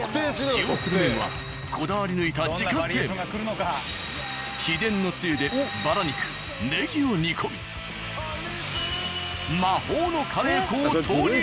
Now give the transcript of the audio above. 使用する麺はこだわり抜いた秘伝のつゆでバラ肉ねぎを煮込み魔法のカレー粉を投入。